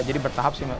jadi bertahap sih